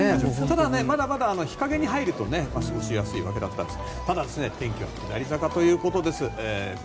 ただ、まだまだ日陰に入ると過ごしやすかったです。